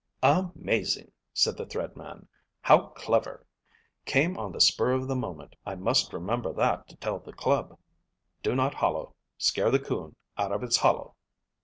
"Amazing!" said the Thread Man. "How clever! Came on the spur of the moment. I must remember that to tell the Club. Do not hollo. Scare the coon out of its hollow!"